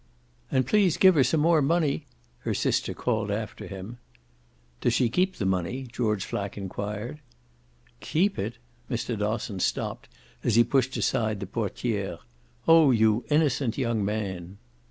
"And please give her some more money!" her sister called after him. "Does she keep the money?" George Flack enquired. "KEEP it?" Mr. Dosson stopped as he pushed aside the portiere. "Oh you innocent young man!"